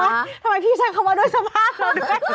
ช่วยเขาไหมทำไมพี่แช่งเขามาด้วยสภาพเราด้วย